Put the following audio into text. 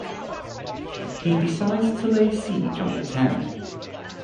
He decides to lay siege on the town.